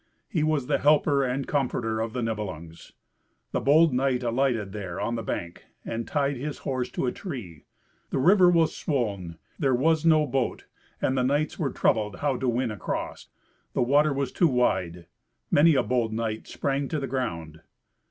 He was the helper and comforter of the Nibelungs. The bold knight alighted there on the bank, and tied his horse to a tree. The river was swoln, there was no boat, and the knights were troubled how to win across. The water was too wide. Many a bold knight sprang to the ground.